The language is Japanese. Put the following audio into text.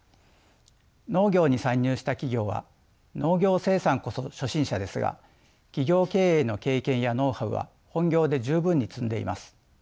農業に参入した企業は農業生産こそ初心者ですが企業経営の経験やノウハウは本業で十分に積んでいます。